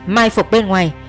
mai phục bên ngoài